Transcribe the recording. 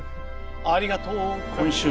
ありがとう今週。